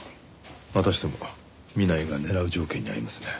またしても南井が狙う条件に合いますね。